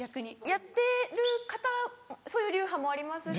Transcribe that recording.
やってる方そういう流派もありますし。